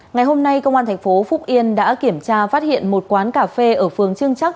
ngày hôm nay công an tp phúc yên đã kiểm tra phát hiện một quán cà phê ở phường trương chắc